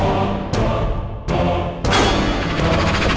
ya udah kakaknya sudah selesai